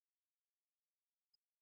Ufalme wake ni wa milele na milele.